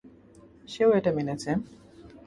সেও এটা মেনেছে।